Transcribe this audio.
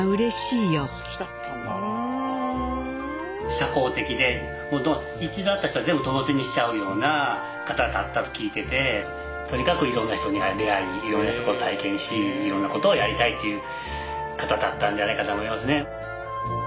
社交的でもう一度会った人は全部友達にしちゃうような方だったと聞いててとにかくいろんな人に出会いいろんなことを体験しいろんなことをやりたいという方だったんじゃないかと思いますね。